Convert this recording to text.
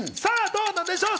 どうなんでしょう？